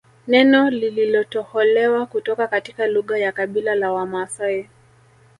Neno lililotoholewa kutoka katika lugha ya kabila la Wamaasai